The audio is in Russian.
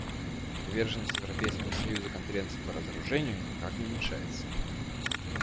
Приверженность Европейского союза Конференции по разоружению никак не уменьшается.